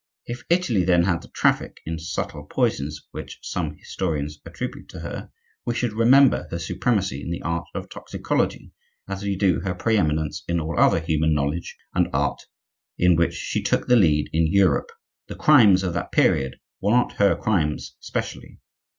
[*] If Italy then had the traffic in subtle poisons which some historians attribute to her, we should remember her supremacy in the art of toxicology, as we do her pre eminence in all other human knowledge and art in which she took the lead in Europe. The crimes of that period were not her crimes specially.